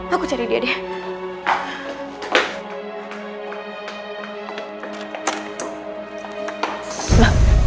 aku cari dia deh